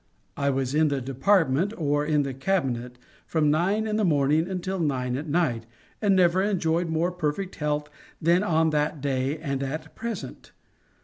I was in the department, or in the Cabinet, from nine in the morning until nine at night, and never enjoyed more perfect health than on that day and at present.